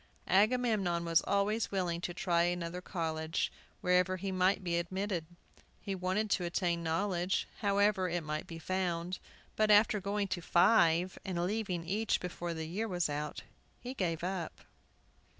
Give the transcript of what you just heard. Agamemnon was always willing to try another college, wherever he could be admitted. He wanted to attain knowledge, however it might be found. But, after going to five, and leaving each before the year was out, he gave it up.